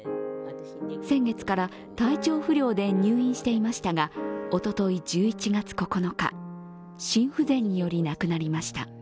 先月から体調不良で入院していましたがおととい、１１月９日、心不全により亡くなりました。